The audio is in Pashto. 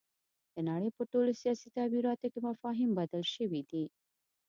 د نړۍ په ټولو سیاسي تعبیراتو کې مفاهیم بدل شوي دي.